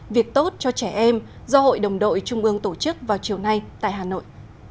việc tốt cho trẻ em do hội đồng đội trung ương tổ chức vào chiều nay tại hà nội